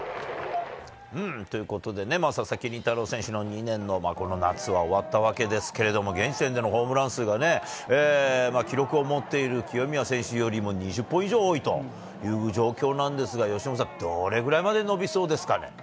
ということでね、佐々木麟太郎選手の２年のこの夏は終わったわけですけれども、現時点でのホームラン数が、記録を持っている清宮選手よりも２０本以上多いという状況なんですが、由伸さん、どれくらいまで伸びそうですかね。